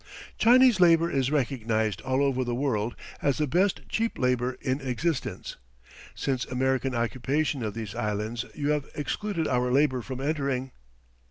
"Chinese labour is recognized all over the world as the best cheap labour in existence. Since American occupation of these Islands you have excluded our labour from entering.